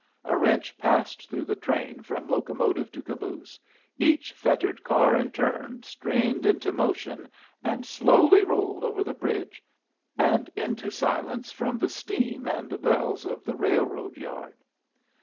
A wrench passed through the train from locomotive to caboose, each fettered car in turn strained into motion and slowly rolled over the bridge and into silence from the steam and the bells of the railroad yard.